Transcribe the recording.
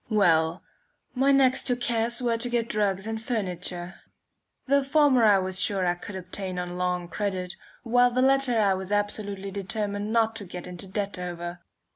Well, my next two cares were to get drugs and furniture. The former I was sure that I could obtain on long credit; while the latter I was absolutely determined not to get into debt over.